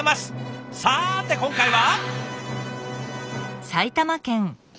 さて今回は？